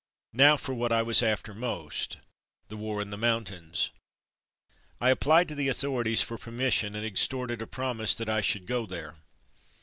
Now for what I was after most: the war in the mountains. I applied to the authorities for permission and extorted a promise that I should go there.